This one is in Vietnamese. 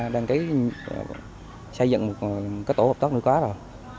đăng ký xây dựng cái tổ hợp tốt nuôi khoá rồi